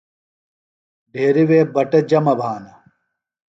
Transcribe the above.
ڈھیریۡ وے بٹہ جمہ بھانہ۔